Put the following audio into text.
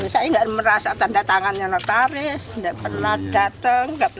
saya nggak merasa tanda tangannya notaris nggak pernah datang